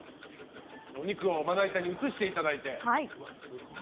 お肉をまな板に移していただいて。